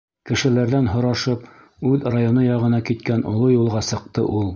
Кешеләрҙән һорашып, үҙ районы яғына киткән оло юлға сыҡты ул.